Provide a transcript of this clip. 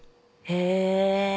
へえ。